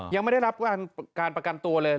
ยังไม่ได้รับการประกันตัวเลย